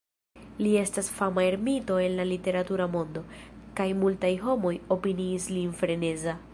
Li estas fama ermito en la literatura mondo, kaj multaj homoj opiniis lin freneza.